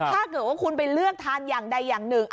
ถ้าเกิดว่าคุณไปเลือกทานอย่างใดอย่างหนึ่ง